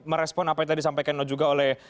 merespon apa yang tadi disampaikan juga oleh